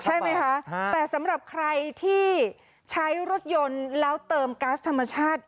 ใช่ไหมคะแต่สำหรับใครที่ใช้รถยนต์แล้วเติมก๊าซธรรมชาติ